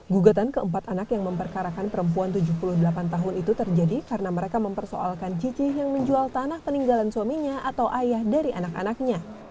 gugatan keempat anak yang memperkarakan perempuan tujuh puluh delapan tahun itu terjadi karena mereka mempersoalkan cici yang menjual tanah peninggalan suaminya atau ayah dari anak anaknya